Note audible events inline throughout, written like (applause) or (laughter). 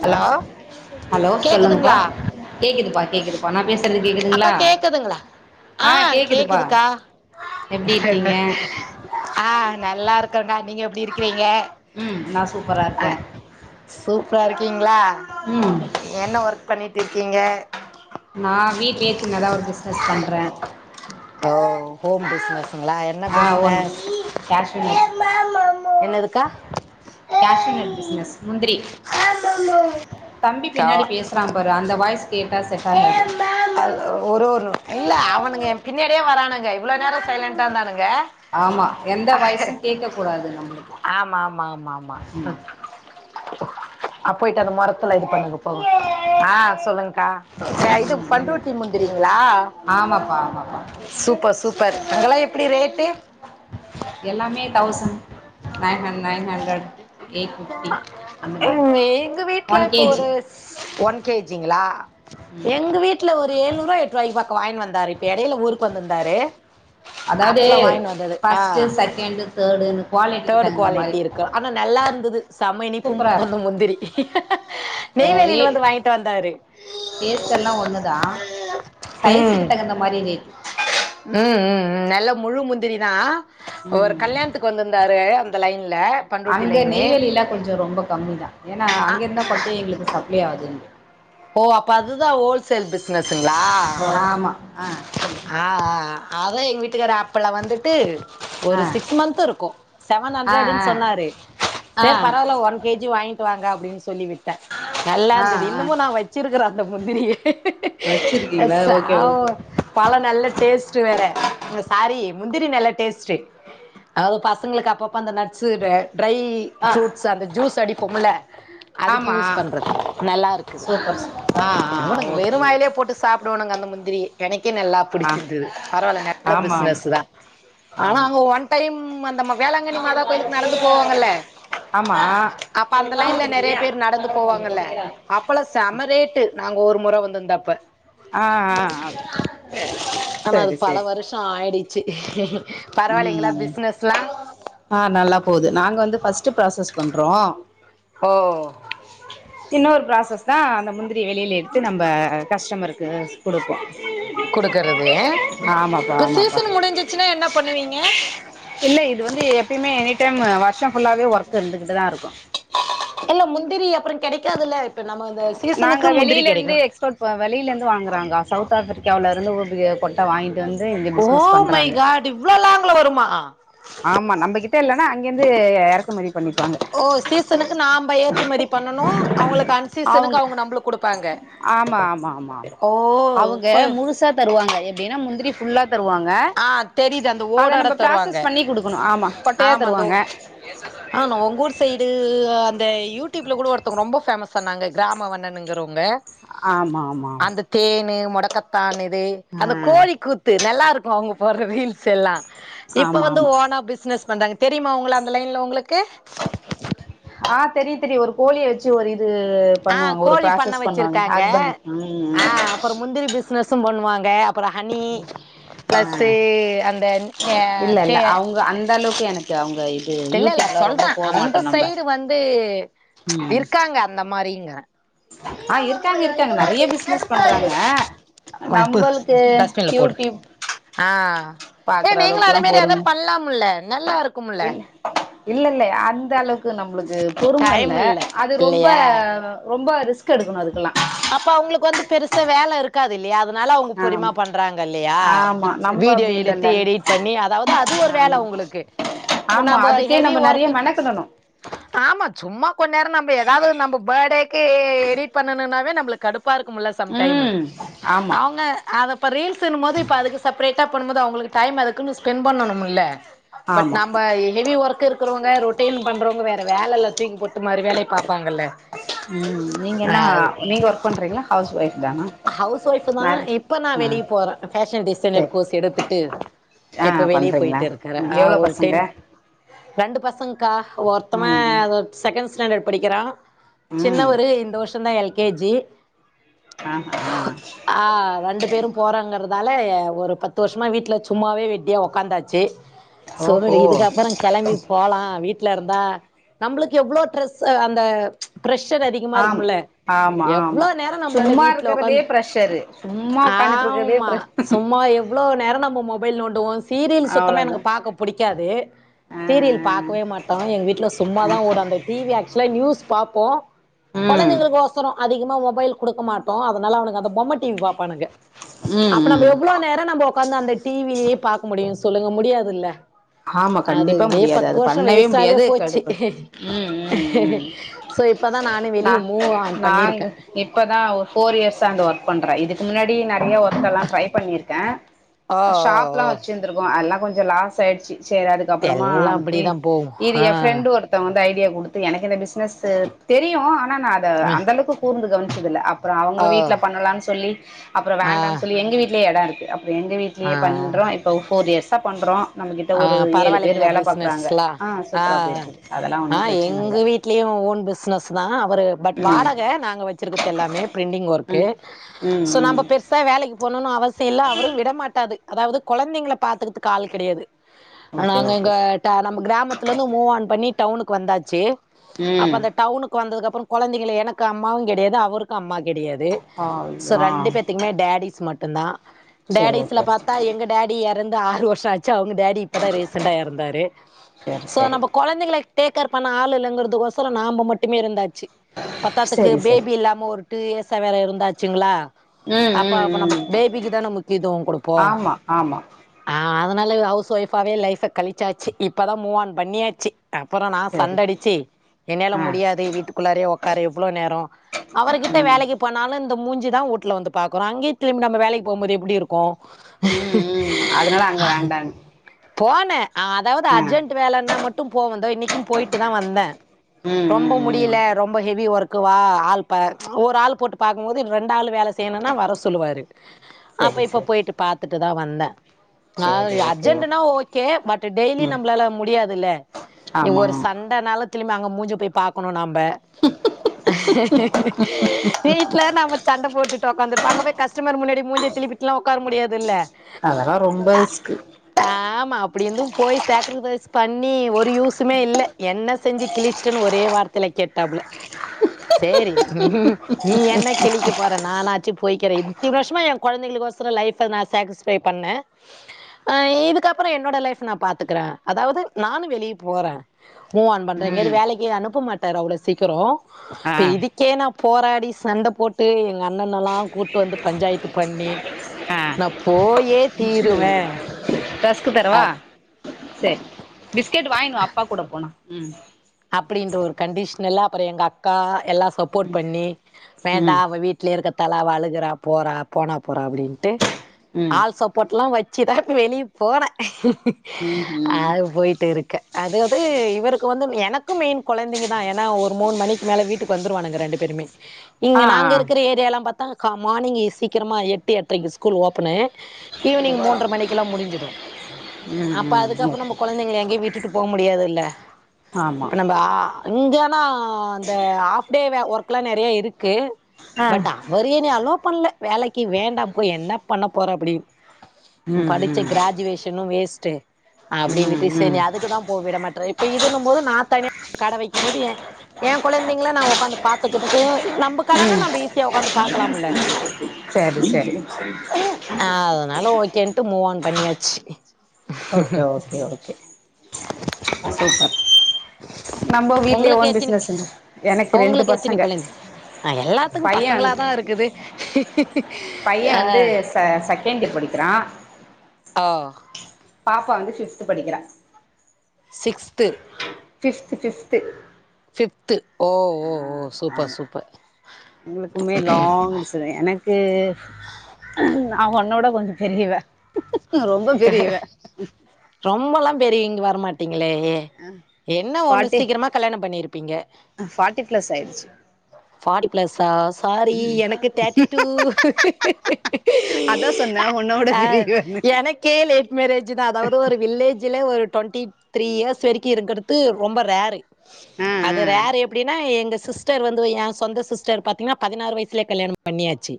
Hello hello சொல்லுங்கப்பா கேக்குதுங்களா கேக்குதுப்பா கேக்குதுப்பா நா பேசுறது அக்கா கேக்குதுங்களா கேக்குதுங்களா ஆ கேக்குதுக்கா எப்டி இருக்கீங்க ஆ நல்லா இருக்கங்கா நீங்க எப்டி இருக்கிறீங்க ம் நா சூப்பரா ஆ இருக்கே சூப்பரா இருக்கீங்களா ம் என்ன ஒர்க் பண்ணிட்டு இருக்கீங்க நா வீட்லயே சின்ன தா ஒரு பிஸ்னஸ் பண்ணுறே ஓ ஹோம் பிசினஸ்ங்களா என்ன பிசனஸ் (unintelligible) கஷ்வ் நட் பிசினஸ் முந் திரி தம்பி கா பின்னாடி பேசுறா பாரு அந்த வாய்ஸ் கேட்டா செட் ஆகாது அது ஒரு ஒரு இல்ல அவனுங்க எ பின்னாடியே வரானுங்க இவ்வளோ நேரம் சைலண்டா இருந்தானுங்க ஆமா எந்த வாய்ஸு கேட்க கூடாது நம்மளுக்கு ஆமா ஆமா ஆமா ஆமா ம் அப் போயிட்டு அந்த மொரத்துல இது பண்ணுங்க போங்க ஆ சொல்லுங்கக்கா அ இது ம் என்ன? பண்ருட்டி முந்திரிங்களா ஆமாப்பா ஆமாப்பா சூப்பர் சூப்பர் அதெல்லா எப்டி ரேட்டு எல்லாமே thousand nine uh nine hundred eight fifty அந்த மாதிரி ம், எங்க வீட்ல ஒன் இப்போ கேஜி ஒரு ஒன் கேஜிங்களா எங்க வீட்டுல ஒரு எழுநூறுவா எட்டு ரூபாய்க்குபக்கா வாயின்ட்டு வந்தாரு வந்தாரு இப்ப இடையில ஊருக்கு வந்துருந்தாரு அதாவது ஃபர்ஸ்டு செகண்டு தேர்டுனு குவாலி தேர்டு குவாலிட்டி இருக்கு ஆனா நல்லா இருந்தது சம இனிப்பு சூப்பரா அந்த இருக்கு முந்திரி நெய்வேலியில வந்து வாங்கிட்டு வந்தாரு கே டேஸ்ட்டெல்லா ஒன்னு தா ம் சைஸுக்கு தகுந்த மாரி ரேட் ம் ம் ம் நல்ல முழு முந்திரிதா ஒரு ம் கல்யாணத்துக்கு வந் தாரு அந்த லைன்ல அங்க லைனு நெய்வேலில கொஞ்சோ ரொம்ப கம்மிதா ஏனா அ அங்க இருந்தா கொட்டையே எங்களுக்கு சப்ளை ஆகுது இங்க ஓ அப்ப அதுதா ஹோல்சேல் பிசனஸ்ங்களா ஆமா ஆ ஆ சொல்லு ஆ ஆ அதா எங்க வீட்டுக்கார அப்பல்ல வந்துட்டு ஆ ஒரு சிக்ஸ் மந்த்‌ இருக்கு செவன் ஆ ஆ ஹண்டரடுனு சொன்னாரு ஆ சேரி பரவாயில்ல ஒன் கேஜி வாங்கிட்டு வாங்க அப்படின்னு சொல்லி விட்டே ஆ நல்லாருந்தது ஆ இன்னமு நா வச்சிருக்கிறே அந்த முந்திரிய அ வச்சிருக்கீங்களா ஓகே ஓகே (unintelligible) பழம் நல்ல டேஸ்ட் வேற சாரி முந்திரி நல்ல டேஸ்டு அது பசங்களுக்கு அப்பப்ப அந்த நட்ஸ்ஸு ட்ரை ஆ ஃப்ரூட்ஸு அந்த ஜூஸ் அடிப்போம்ல அதுக்கு ஆமா யூஸ் பண்றது நல்லா இருக்குது ஆ ஆ இவனுங்க ஓகே வெறு வாயிலே ஓகே போட்டு சாப்பிடுவானுங்க அந்த முந்திரிய கினக்கி நல்லா ஆ பிடிச்சிருந்தது பரவாயில்லங்க நல்ல ஆமா ஆமா பிசினஸ்தா ஆனா ஆமா அங்க ஒன் டைம் அந்த மக் வேளாங்கண்ணி மாதா கோயிலுக்கு நடந்து போவாங்கல்ல ஆமா அப்ப அந்த லைன்ல நெறையா பேர் நடந்து போவாங்கல்ல அப்பல்லா செம ரேட்டு நாங்க ஒரு முற வந்திருந்தப்ப ஆ ஆ செரி செரி கா ஆயிடுச்சு பரவாயில்லைங்ளா ம் பிசினஸ்ல்லா ஆ நல்லா போகுது நாங்க வந்து ஃபர்ஸ்ட் ப்ராசஸ் பண்றோ ஓ சின்ன ஒரு ப்ராசஸ்தா அந்த முந்திரி வெளில எடுத்து நம்ம கஸ்டமருக்கு குடுப்போ குடுக்கறது ஆமாப்பா இப்ப ஆமாப்பா சீசன் முடிஞ்சிச்சுன்னா என்ன பண்ணுவீங்க? இல்ல இது வந்து எப்யுமே எனி டைம் வருஷோ ஃபுல்லாவே ஒர்க் இருந்துகிட்டுதா இருக்கு இல்ல முந்திரி அப்றோ கெடைக்காதுல்ல இப்ப நம்ம இந்த நாங்க சீசனுக்கு முந்திரி வெளிலிந்து கெடைக்கு எக்ஸ்போர்ட் வெளிலிந்து வாங்குறாங்க சவுத் ஆப்பிரிக்காவுல இருந்து ஒரு கொட்ட வாங்கிட்டு வந்து இங்க பிஸினஸ் பண்றாங்க இவ்ள லாங்குல வருமா ஆமா நம்பகிட்ட இல்லனா அங்கிந்து ஓ சீசனுக்கு நாம்ப ஏற்றுமதி பண்ணணு அவுங்களுக்கு அவங்க அன்சீசனுக்கு அவுங்க நம்ளுக்கு குடுப்பாங்க ஆமா ஆமா ஆமா ஓ அவுங்க இப்ப முழுசா தருவாங்க எப்டின்னா முந்திரி ஃபுல்லா தருவாங்க ஆ தெரியுது அந்த அத ஓடோட நம்ம தருவாங்க ப்ராசஸ் பண்ணி குடுக்கணு ஆமா கொட்டையா ஆமா அந்த ஓ தருவாங்க ஆனா உங்கூர் சைடு அந்த யூடியூப்புல கூட ஒருத்தங்க ரொம்ப ஃபேமஸ் ஆனாங்க கிராம வண்ணனுங்குறவங்க ஆமாமாமா தேனு மொடக்கத்தான் இது அந்த கோழி கூத்து நல்லாருக்கு அவுங்க போடற ரீல்ஸ் எல்லா இப்ப ஆமா வந்து ஆமா ஓனா பிசினஸ் பண்றாங்க தெரியுமா உங்கள அந்த லைன்ல உங்களுக்கு ஆ தெரியு தெரியு ஒரு கோழிய வெச்சு ஒரு இது ஆ பண்ணுவாங்க ஒரு கோழி பண்ண ப்ராசஸ் பண்ணுவாங்க வச்சிருக்காங்க ஹஸ்பண்ட் ம் பிசினஸும் பண்ணுவாங்க அப்றோ ஹனி ஆ ப்ளஸ்ஸு அந்த ந இல்ல இல்ல தே அவங்க அந்த அளவுக்கு எனக்கு அவங்க இது இல்லல்ல யூடியூப்லா சொல்ற ரொம்ப போக அந்த மாட்டோ நம்ப சைடு வந்து ம் மாரிங்க ஆ இருக்காங்க இருக்காங்க நெறைய பிசினஸ் பண்றாங்க வப்பு நம்பளுக்கு டஸ்ட்பின்ல போடு யூடியூப் ஆ ஏ பாக்குற நீங்களு அதே அளவுக்குல்லா மாரி எதா பொறும பண்லாமல்ல நல்லாரு இல்ல இல்லல்ல அந்த அளவுக்கு நம்ளுக்கு பொறும இல்ல டைம் அது ரொம்ப இல்லையா ரொம்ப ரிஸ்க் எடுக்கணு அதுக்கல்லா அப்ப அவுங்களுக்கு வந்து பெருசா வேல இரு க்காதில்லயா அதனால அவுங்க பொறுமையா ஆமா பண்றாங்க இல்லையா ஆமா இச் நம்ப வீடியோ அப்டி எடுத்து இல்லல்ல எடிட் பண்ணி அதாவது அது ஒரு வேல ஆமா உங்களுக்கு இப்ப ஆமா நாம்ப அதுக்கே ஹெவி நம்ம நெறைய ஒர்க்கு மெனக்கெடணு ஆமா சும்மா கொஞ் நேரோ நம்ப எதாவது நம்ப பேடேக்கு எடிட் பண்ணணுனா நம்மளுக்கு கடுப்பா இருக்குமல்ல சம் டைம்மு ம் ஆமா அவுங்க அத இப்ப ரீல்ஸ்ன்னும்போது இப்ப அதுக்கு செப்பரேட்டா பண்ணும்போது அவுங்களுக்கு டைம் அதுக்குன்னு ஸ்பெண்ட் பண்ணனுமல்ல பட் ஆமா நம்பஹெவி ஒர்க் இருக்கறவங்க ரொட்டின் பண்றவங்க வேற வேல எல்லா தூக்கி போட்டு மறு வேலை பாப்பாங்கல்ல ம் நீங்க அ என்ன அது நீங்க ஒர்க் பண்றீங்களா ஹவுஸ் ஒய்ஃப் தானா ஹவுஸ் ஒய்ஃப்தா மேரி இப்ப நா ஆ வெளிய போறன் ஃபேஷன் டிசைனர் சேரி கோர்ஸ் எடுத்துட்டு ஆ இப்ப வெளிய பண்றீங்களா போயிட்டு இருக்கற ம் அ எவ்ளோ ஒரு பசங்க டென் ரெண்டு பசங்க்கா ஒர்த்தவ ம் ம் அது செகண்ட் ஸ்டாண்டர்ட் படிக்கிறா ம் சின்னவரு இந்த வர்ஷந்தா எல் கே ஜி ஆ ஆ ஆ ரெண்டு பேரும் போறாங்கற்தால ஒரு பத்து வருஷமா வீட்ல சும்மாவே வெட்டியா உக்காந்தாச்சு சகோதரி ஓஹோ இதுக்கப்பற கெளம்பி போலா வீட்லர்ந்தா நம்புளுக்கு எவ்ளோ டிரெஸ்ஸு அந்த ப்ரெஸர் அதிகமா ஆம் இருக்கும்ல ஆமா எவ்ளோ ஆமா நேர நம்ளால சும்மா வீட்ல இருக்கறதே உக்காந்து ப்ரெஷரு சும்மா உக்காந்துட்டு இருக்கறதே ஆமா ப்ரெஷ் சும்மா எப் எவ்ளோ நேர நம்ம மொபைல் நோண்டுவோ சீரியில் சுத்தமா அவ்ளோதா எனக்கு பாக்க புடிக்காது ஆ சீரியில் ஆ பாக்கவே மாட்டோ எங் வீட்ல சும்மாதா ஓடு அந்த டி வி ஆக்சுவலா நியூஸ் பாப்போ ம் கொழந்தைங்களுக்கோச் சரோ அதிகமா மொபைல் குடுக்க மாட்டோ அதனால அவனுங்க அந்த பொம்ம டி வி பாப்பானுங்க ம் அப்ப நம்ப ம் எவ்ளோ நேர நம்ப ஒக்காந்து அந்த டி வி லே பாக்க முடியு சொல்லுங்க முடியாதில்ல ஆமா அது கண்டிப்பா ஏ முடியாது பத்து அது வருஷ பண்ணவே வேஸ்டாவே முடியாது போச்சு கடுப்பு ம் ம் ம் சோ இப்பதா நானே நா வெளிய மூவ் ஆன் நாங்க பண்ணிருக்கேன். இப்பதா ஒரு ஃபோர் இயர்ஸ்ஸா அந்த ஒர்க் பண்ற இதுக்கு முன்னாடி நெறைய ஒர்க் எல்லா ட்ரை பண்ணிர்க்கே ஓ ஓ ஷாப்லா ஓ. வச்சிருந்திருக்கோ அதெலா கொஞ்ச லாஸ் ஆயிடுச்சு சேர் அதுக் கப்பறமா எல்லா அப்படிதா போகும். இது ஏ ஆ. ப்ரெண்ட் ஒருத் தவங்க தா ஐடியா குடுத்து எனக்கு இந்த பிசினஸு தெரியு ஆனா நா அத ஓ அந்த அளவுக்கு கூர்ந்து கவுன்ச்சதுல்ல அப் ப்ற ஆ அவுங்க வீட்ல பண்ணலான் சொல்லி அப்புற வேண்டான் சொல்லி எங்க வீட்லே எட இருக்கு இப்ப எங்க வீட்லே ஆ பண்றோ இப்ப ஒ ஃபோர் இயர்ஸா பண்றோ நம்மக்கிட்ட ஆ ஒரு ஏழு பேர் பரவாயில்லைங்களா வேல பாக்றாங்க பிசினஸ்லா ஆ சூப்பரா போயிட்ருக்கு அதெல்லா ஒன்னு பிரச்சனல்ல ட்லியு ஓன் பிஸ்னஸ் தா அவரு பட் ம் வாடக நாங்க வச்சிர்க்கதெல்லாமே பிரிண்டிங் ஒர்க்கு ம் ம் சோ நம்ம ம் பெ ஸ்ஸா வேலைக் போணுனு அவசிய இல்ல அவரு விடமாட்டாரு அதாவது கொழந்தைங்கள பாத்துக்கிறதுக்கு ஆள் கெடையாது ஓகே நாங்க ஓகே எங்க ட நம்ம கிராமத்துல இருந்து மூவ் ஆன் பண்ணி டவுனுக்கு வந்தாச்சு அப்ப ம் அந்த டவுனுக்கு வந்ததுக்கப்ற கொழந்தைகள எனக்கு அம்மாவு கெடையாது அவருக் கம்மா கெடையாது ஐயோ ஸோ ஆ ரெண்டு பேத்துக்குமே டேடிஸ் மட்டுந்தா செரி டேடிஸ்ல ஓகே பாத்தா எங்க டேடி எறந்து ஆறு வர்ஷ ஆச்சு அவுங்க டாடி இப்பதா ரீசண்டா எறந்தாரு செரி சோ செரி நம்ப கொழந்தைகள டேக்கர் பண்ண ஆளு இல்லங்கற்துக்கோசர நாம மட்டுமே இருந்தாச்சு பத்தாத்துக்கு செரி செரி பேபி இல்லாம ஒரு டூ இயர்ஸ்ஸா வேற இருந்தாச்சுங்ளா ம் அப்ப ம் அப்ப நம்ம ம் பேபிக்கு தான முக்கியதுவோ குடுப்போ ஆமா ஆமா ஆ அதனால ஹவுஸ் ஒய்பாவே லைஃப்ப கழிச்சாச்சு இப்பதா மூவ்ஆன் பண்ணியாச்சு அப்புற நா செரி செரி சண்டடிச்சு என்னயால ஆ முடியாது வீட்டுக்குள்ளாரே உக்காரே எவ்ளோ நேர அவருகிட்ட ம் வேலக்கிப் போனாலு இந்த மூஞ்சி தா வூட்ல வந்து பாக்றோ அங்கியு திரும்பி நம்ப வேலக்கி போம்போது எப்டி இருக்கு ம் ம் அதனால அங்க வேண்டான்னு போனே அதாவது ஆ அர்ஜென்ட் வேலன்னா மட்டு போவே இந்தோ இன்னிக்கு போயிட்டு தா வந்தே ம் ரொம்ப ம் முடியில ம் ரொம்ப ஹெவி ஒர்க்கு வா ஆள் ப ஒரு ஆள் போட்டு பாக்கும்போது ரெண்டாளு வேல தேனுனா வர சொல்லுவாரு அப்ப செரி இப்ப செரி போய்ட்டு பாத்துட்டு தா வந்தே செரி ஓகே அர் ஓகே ஜென்ட்டுனா ஒகே பட் டெய்லி ம் நம்ளால முடியாதுல்லே ஆமா ஆமா ஒரு ச ண்டனாலு திலும்பியு அங்க மூஞ்சிய போய் பாக்குணு நம்ப வீட்ல நாம சண்ட போட்டுட்டு உக்காந்துருப்போ அங்க போய் கஸ்டமர் முன்னாடி மூஞ்சிய திருப்பிட்டுலாஉக்கார முடியாதுல்ல அதெல்லா ரொம்ப ரிஸ்க் ஆமா அப்டி இருந்து போய் சேக்ரிஃபைஸ் பண்ணி ஒரு யூஸுமே இல்ல என்ன செஞ்சு கிளிச்சிட்டன்னு ஒரே வார்த்தையில கேட்டாப்புல சேரி நீ ஏன்ன கிளிக்க போறன் நா நாச்சு போய்கிறே இத்தினு வருஷமா எ கொழந்தைளுக்குயொசரோ லைஃப நா சாட்டிஸ் ஃபை பண்ணே ஆ இதுக்கப்பறோ என்னோட லைஃப் நா பாத்துக்கிறே அதாவது நானு வெளிய போறே மூவ் ஆன் பண்றெ எங்கயாவது ம் வேலைக்கி அனுப்பமாட்டாரு அவ்ளோ சீக்கரோ ஆ இப்ப இதுக்கே நா போராடி சண்ட போட்டு எங்க அண்ணனெல்லா கூட்டு வந்து பஞ்சாயத்து பண்ணி ஆ நா போயே தீருவே ரஸ்க்கு தரவா அப் சரி பிஸ்கெட் வாங்கினு வா அப்பா கூட போனா உ அப்டின்ற ஒரு கண்டிஷன் எல்லா அப்பறம் எங்க அக்கா எல்லா சப்போர்ட் பண்ணி வேண்டா ம் அவ வீட் வீட்ல இருக்க தால அவ அழுகுறா போறா போனா போறா அப்டின்ட்டு ம் ஆள் சப்போட்லா வச் சிதா வெளியே போறே ம் ம் அது போய்ட்டு இருக்கே அதுவது இவருக்கு வந்து எனக் க்கு மெயன் கொழந்தைங்க தா ஏன்னா ஒரு மூணு மணிக்கு மேல வீட்டுக்கு வந்துருவானுங்க ரெண்டு பேருமே இங்க ஆ நாங்க ஆ இருக்குற ஏரியாலா பாத்தா கா மார்னிங் சீக்கிரமா எட்டு எட்ரைக்கு ஸ்கூல் ஓப்பனு ஈவினிங் மூன்ற மணிக்கில்லா முடிஞ்சிடு ம் அப்ப ம் அதுக்கப்ப ஓகே நம்ம குழந்தைங்கள எங்கேயு விட்டுட்டு போ முடியாதுல்ல ஆமா இப்ப நம்ம ஆ அங்கனா இந்த ஹாஃப் டே ஒர்க்லா நெறைய இருக்கு ஆ பட் அவரு என்ன அளோ பண்ணல வேலைக்கு வேண்டாம் போய் என்ன பண்ண போற அப்படின்னு ம் படிச்ச ம் கிராஜுவேஷனு வேஸ்ட்டு ம் அப்படின்னுட்டு ம் சரி ம் அதுக்குதா போ விட மாட்ரே இப்ப இதுன்னு போது நா தனியா கட வைக்கும் போது எ எ குழந்தைங்கள நா உக்காந்து பாத்துக்கனுக்கு நம்ம கடன நம்ம ஈஸியா உக்காந்து பாக்கலாம்ல சரி ஆ சரி அதனால ஓகேன்ட்டு மூவ் ஆன் பண்ணியாச்சு ஓகே ஓகே ஓகே சூப்பர் நம்ம வீட்லயே உங்களுக்கு ஓன் பிஸ்னஸ் எத்தினி எனக்கு ரெண்டு உங்களுக்கு எத்தினி பசங்க கொழந்த ஆ எல்லாத்துக்கு பையன் பசங்களாதா வந் இருக்குது ஆ ஆ செகன்ட்டு படிக்கிறா ஆவ் பாப்பா வந்து ஃபிஃப்து படிக்கிறா சிக்ஸ்து ஃபிஃப்த்து ஃபிஃப்த்து ஃபிஃப்து ஓஓ ஓ ஆமா சூப்பர் சூப்பர் எங்களுக்குமே லாங் எனக்கு நா உன்னோட கொஞ்ச பெரியவ ரொம்ப பெரிய இவ ரொம்பெல்லா பெரிய இங் வரமாட்டே ங்ளேயே என்ன ஒண்ணு ஃபார்ட்டி சீக்கரமா கல்யாணோ பண்ணிருப்பீங்க ஃபார்ட்டி பிளஸ் ஆயிடுச்சு ஃபார்ட்டி பிளஸ்ஸா சாரி எனக்கு தேர்ட்டி டூ அதா சொன்ன உன்னோட ஆ பெரியவ எனக்கே லேட் மேரேஜ் தா அதாவது ஒரு வில்லேஜ் லே ஒரு டுவெண்ட்டி த்ரீ இயர்ஸ் வரைக்கு இருக்கிறது ரொம்ப ரேரு ஆ அது ஆ ரேரு எப்டின்னா எங்க சிஸ் சிஸ்டர் வந்து எ சொந்த சிஸ்டர் பாத்தீங்கன்னா பதினறு வயசலய கல்யாணம் பண்ணியாச்சு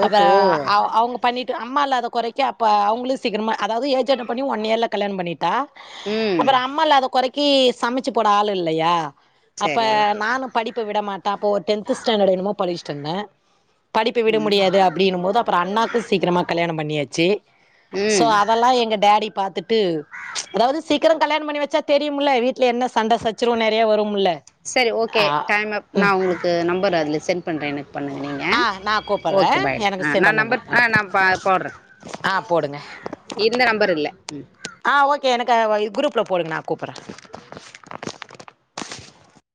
ஓஹோ அப்புறம் அவங்க பண்ணிட்டு அம்மா இல்லத குறைக்க அப்ப அவங்களும் சீக்கிரமா அதாவது ஏஜ் அட்டென்ட் பண்ணி ஒன் இயர்ல கல்யாணம் பண்ணிட்டா ம் அப்புறம் அம்மா இல்லாத குறைக்க கி சமைச்சு போட ஆள் இல்லையா அப்ப சரி ஓகே நானும் படிப்ப விட மாட்ட அப்போ ஒரு டென்த் ஸ்டண்டர்ட் என்னமோ படிச்சட்டு இருந்த படிப்ப விட ம் முடியாது அப்படின் போது அப்புறம் அண்ணாக்கும் சீக்கிரமாக கல்யாணம் பண்ணியாச்சு சோ ம் அதெல்லாம் எங்க டட்டி பார்த்தட்டு அதாவது சீக்கிரம் கல்யாணம் பண்ணி வச்சா தெரியும்ல வீட்டல என்ன சண்ட சச் சிரம் நிறைய வரும்ல சரி ஓகே ஆ டைம் அப் நா ம் உங்களுக்கு நம்பர் அதில்ல சென்ட் பண்ணுறே எனக் பண்ணுங்க நீங்க ஆ நா கூப்பட்றே ஓகே பை எனக்கு சென்ட் நா பண்ணுங்க நம்பர் ஆ நா போடுறே ஆ போடுங்க இந்த நம்பர் இல்ல ஆ ஓகே எனக்கு குரூப்ல போடுங்க நா கூப்படுறே